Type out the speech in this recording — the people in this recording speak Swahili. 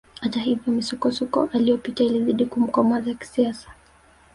Hata hivyo misukosuko aliyoipitia ilizidi kumkomaza kisiasa